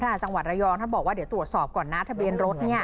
พรภาคธรรมชาติจังหวัดระยองท่านบอกว่าเดี๋ยวตรวจสอบก่อนนะทะเบียนรถ